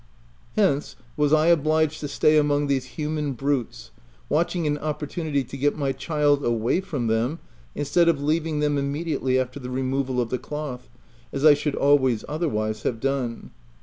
Hence, was I obliged to stay among these human brutes, watching an opportunity to get my child away from them, instead of leaving them immediately after the removal of the cloth, as I should always otherwise have done.